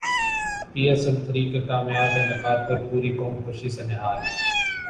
پی S L three کے کامیاب انعقاد پر پوری قوم خوشی سے نہال